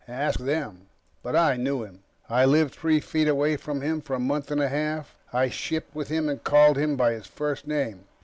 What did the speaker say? Ask them. But I knew him. I lived three feet away from him for a month and a half. I shipped with him and called him by his first name.